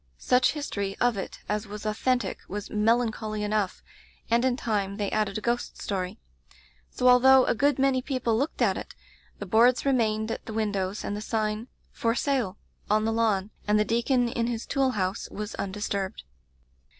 Such history of it as was authentic was melancholy enough, and in time they added a ghost story. So although a good many people looked at it, the boards re mained at the windows and the sign 'For Sale' on the lawn, and the deacon in his tool house was undisturbed.